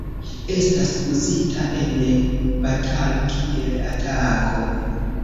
Estas uzita en batalo kiel atako.